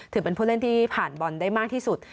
ถือเป็นผู้เล่นที่ผ่านบอลได้มากที่สุด